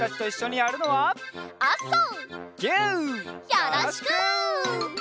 よろしく！